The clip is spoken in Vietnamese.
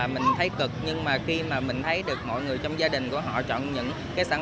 mình thấy cực nhưng mà khi mà mình thấy được mọi người trong gia đình của họ chọn những cái sản